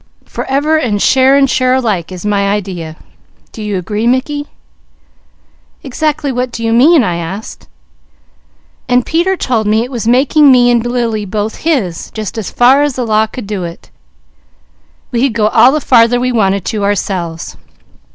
Forever, and share and share alike, is my idea. Do you agree, Mickey?' 'Exactly what do you mean?' I asked, and Peter told me it was making me and Lily both his, just as far as the law could do it; we could go all the farther we wanted to ourselves.